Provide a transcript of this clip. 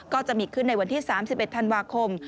ก็จะมีขึ้นในวันที่๓๑ธันวาคม